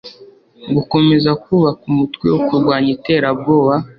gukomeza kubaka umutwe wo kurwanya iterabwoba